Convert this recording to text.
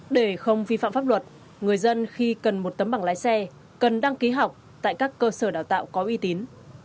để không vi phạm pháp luật người dân khi cần một tấm bằng lái xe cần đăng ký học tại các cơ sở đào tạo có uy tín